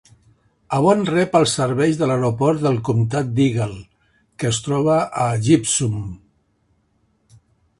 Avon rep els serveis de l'aeroport del comtat d'Eagle, que es troba a Gypsum.